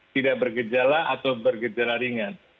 tidak bergejala atau bergejala ringan